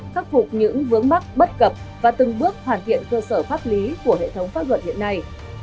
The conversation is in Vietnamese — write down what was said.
khắc phục những vướng mắc bất cập và từng bước hoàn thiện cơ sở pháp lý của hệ thống pháp luật hiện nay